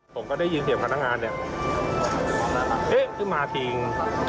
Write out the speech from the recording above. ผมก็ได้ยินเสียงพนักงานเนี่ยเอ๊ะขึ้นมาจริง